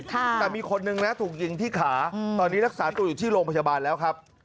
แต่มีคนนึงนะถูกยิงที่ขาตอนนี้รักษาตัวอยู่ที่โรงพยาบาลแล้วครับ